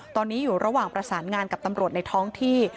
ตอนนี้อยู่ระหว่างประสานงานกับตำรวจในท้องที่